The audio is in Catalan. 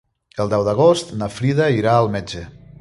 El deu d'agost na Frida irà al metge.